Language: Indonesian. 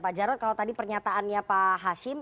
pak jarod kalau tadi pernyataannya pak hashim